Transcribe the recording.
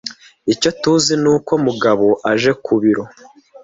Icyo tuzi ni uko Mugabo aje ku biro